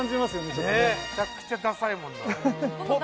めちゃくちゃダサいもんな